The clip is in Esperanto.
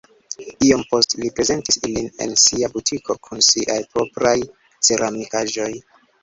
Iom poste li prezentis ilin en sia butiko kun siaj propraj ceramikaĵoj.